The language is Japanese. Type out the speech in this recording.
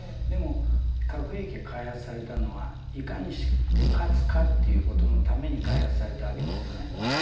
でも核兵器が開発されたのはいかにして勝つかということのために開発されたわけですよね。